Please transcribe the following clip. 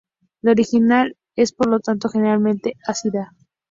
La orina es por lo tanto generalmente ácida.